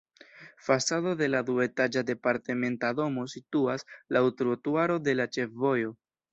Fasado de la duetaĝa departementa domo situas laŭ trotuaro de la ĉefvojo.